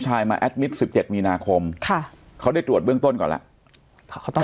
ชายมาแอดมิตรสิบเจ็ดมีนาคมค่ะเขาได้ตรวจเบื้องต้นก่อนแล้วเขาต้อง